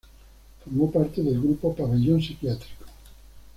Formó parte del grupo Pabellón psiquiátrico.